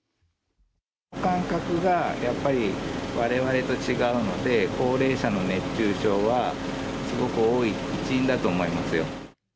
感覚が、やっぱりわれわれと違うので、高齢者の熱中症はすごく多い一因だと思いますよ。